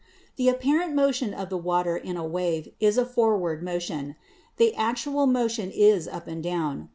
The apparent motion of the water in a wave is a forward motion ; the actual motion is up and down.